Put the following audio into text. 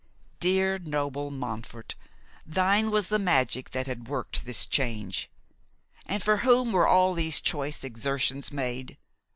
Dear, noble Montfort, thine was the magic that had worked this change! And for whom were all these choice exertions made?